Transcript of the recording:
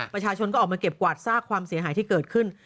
ประชาชนก็ออกมาเก็บกวาดซากความเสียหายที่เกิดขึ้น